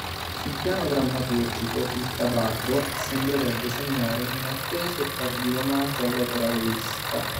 Sul piano drammaturgico, "Il tabarro" sembrerebbe segnare un inatteso e tardivo omaggio all'opera verista.